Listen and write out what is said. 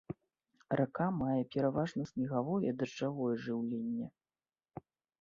Рака мае пераважна снегавое і дажджавое жыўленне.